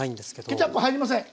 ケチャップ入りません。